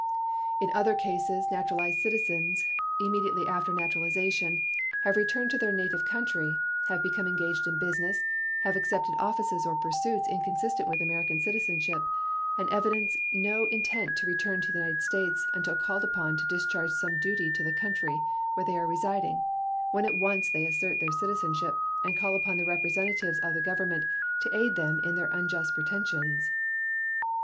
In other cases naturalized citizens, immediately after naturalization, have returned to their native country; have become engaged in business; have accepted offices or pursuits inconsistent with American citizenship, and evidence no intent to return to the United States until called upon to discharge some duty to the country where they are residing, when at once they assert their citizenship and call upon the representatives of the Government to aid them in their unjust pretensions.